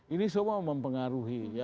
ini semua mempengaruhi